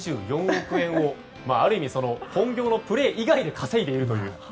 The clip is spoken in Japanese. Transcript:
２４億円をある意味、本業のプレー以外で稼いでいるという。